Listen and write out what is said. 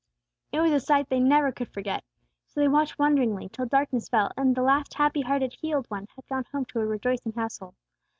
It was a sight they never could forget. So they watched wonderingly till darkness fell, and the last happy hearted healed one had gone home to a rejoicing household.